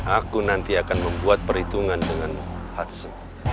aku nanti akan membuat perhitungan dengan hatsa